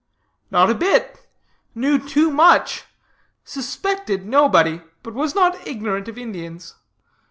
"Not a bit. Knew too much. Suspected nobody, but was not ignorant of Indians.